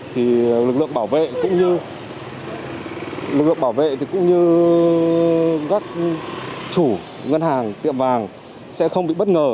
thì lực lượng bảo vệ cũng như các chủ ngân hàng tiệm vàng sẽ không bị bất ngờ